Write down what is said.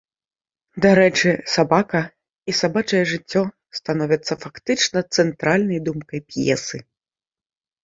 Дарэчы, сабака і сабачае жыццё становяцца фактычна цэнтральнай думкай п'есы.